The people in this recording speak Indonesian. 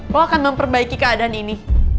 kau akan memperbaiki keadaan ini